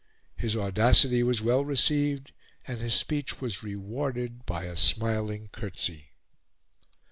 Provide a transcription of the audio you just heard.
His audacity was well received, and his speech was rewarded by a smiling curtsey.